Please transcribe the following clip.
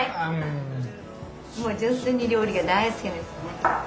もう純粋に料理が大好きな人ね。